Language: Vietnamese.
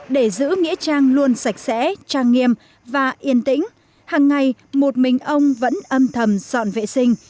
để giữ nghĩa trang luôn sạch sẽ trang nghiêm và yên tĩnh hàng ngày một mình ông vẫn âm thầm dọn vệ sinh